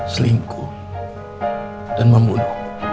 selingkuh dan memuluh